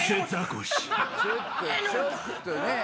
ちょっとねぇ。